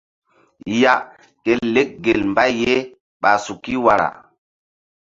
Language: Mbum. Ya ke lek gel mbay ye ɓa suki wara.